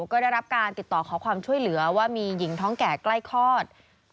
ก็ได้รับการติดต่อขอความช่วยเหลือว่ามีหญิงท้องแก่ใกล้คลอด